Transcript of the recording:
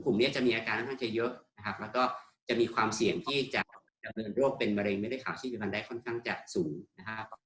กลุ่มนี้จะมีอาการค่อนข้างจะเยอะนะครับแล้วก็จะมีความเสี่ยงที่จะดำเนินโรคเป็นมะเร็งไม่ได้ขาดชีพมันได้ค่อนข้างจะสูงนะฮะ